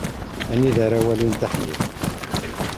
Anida ara walint aḥbib.